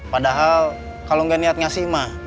padahal kalo gak niat ngasih mah gak usah